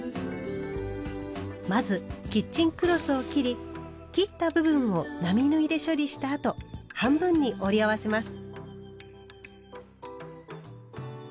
まずキッチンクロスを切り切った部分を並縫いで処理したあと半分に折り合わせます。